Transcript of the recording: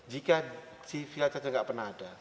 jika sylvia sarce tidak pernah ada